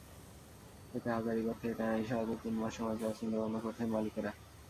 এতে হাজারীবাগ থেকে ট্যানারি সরাতে তিন মাস সময় চাওয়ার চিন্তাভাবনা করছেন মালিকেরা।